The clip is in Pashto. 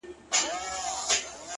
o وه ه ته به كله زما شال سې ـ